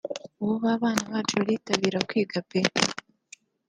ubu abana bacu baritabira kwiga pe